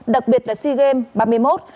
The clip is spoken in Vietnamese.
đặc biệt là sea games ba mươi một